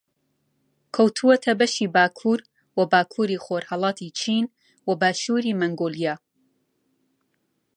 کەوتووەتە بەشی باکوور و باکووری خۆڕھەڵاتی چین و باشووری مەنگۆلیا